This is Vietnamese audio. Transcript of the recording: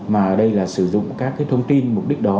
mà ở đây là sử dụng các cái thông tin mục đích đó